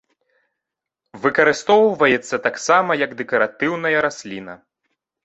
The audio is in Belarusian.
Выкарыстоўваецца таксама як дэкаратыўная расліна.